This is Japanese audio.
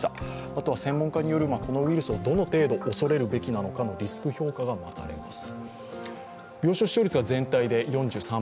あとは専門家による、このウイルスをどの程度恐れるべきなのかのリスク評価が待たれます。